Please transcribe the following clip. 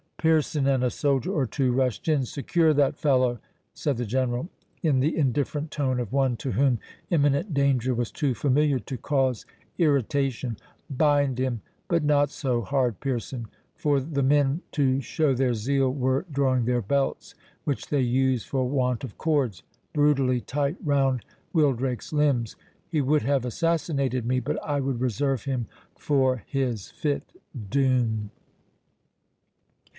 Pearson and a soldier or two rushed in—"Secure that fellow," said the General, in the indifferent tone of one to whom imminent danger was too familiar to cause irritation—"Bind him—but not so hard, Pearson;"—for the men, to show their zeal, were drawing their belts, which they used for want of cords, brutally tight round Wildrake's limbs. "He would have assassinated me, but I would reserve him for his fit doom."